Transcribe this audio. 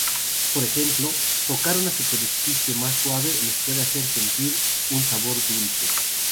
Por ejemplo, tocar una superficie más suave les puede hacer sentir un sabor dulce.